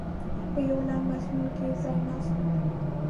په یوه لنډ مضمون کې ځای نسته.